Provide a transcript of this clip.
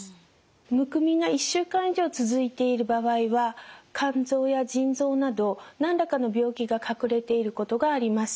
むくみが１週間以上続いている場合は肝臓や腎臓など何らかの病気が隠れていることがあります。